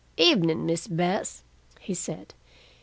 "Evening, Miss Bess," he said.